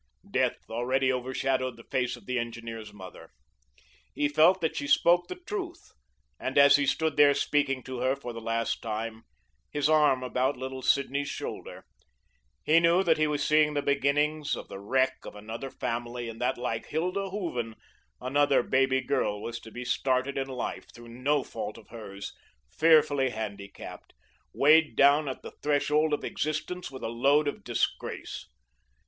Death already overshadowed the face of the engineer's mother. He felt that she spoke the truth, and as he stood there speaking to her for the last time, his arm about little Sidney's shoulder, he knew that he was seeing the beginnings of the wreck of another family and that, like Hilda Hooven, another baby girl was to be started in life, through no fault of hers, fearfully handicapped, weighed down at the threshold of existence with a load of disgrace.